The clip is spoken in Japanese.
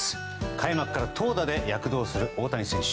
開幕から投打で躍動する大谷選手。